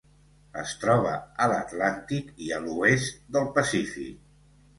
Es troba a l'Atlàntic i a l'oest del Pacífic.